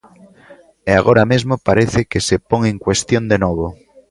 E agora mesmo parece que se pon en cuestión de novo.